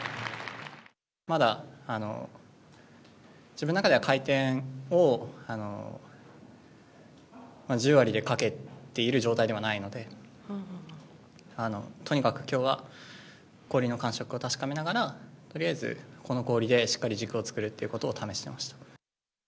まだ、自分の中では回転を１０割でかけている状態ではないので、とにかくきょうは氷の感触を確かめながら、とりあえず、この氷でしっかり軸を作るということを試してました。